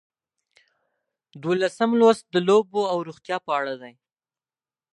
دولسم لوست د لوبو او روغتیا په اړه دی.